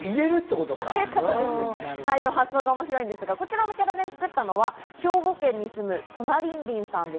発想が面白いんですが、こちらのキャラ弁を作ったのは兵庫県に住む、となりんりんさんです。